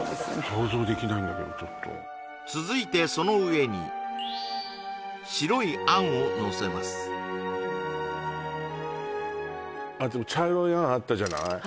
想像できないんだけど続いてその上に白いあんをのせますあっでも茶色いあんあったじゃない？